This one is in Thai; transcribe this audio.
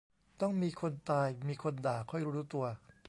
ต้องมีคนตาย มีคนด่า ค่อยรู้ตัว